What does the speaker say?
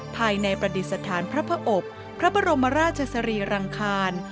ภายในประดิษฐานพระพระอบพระบรมราชสรีรังคาร